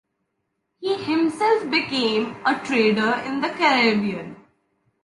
He himself became a trader in the Caribbean.